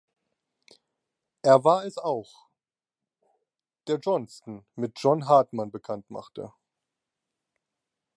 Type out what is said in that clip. Er war es auch, der Johnston mit John Hartman bekannt machte.